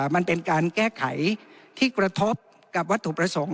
มันเป็นการแก้ไขที่กระทบกับวัตถุประสงค์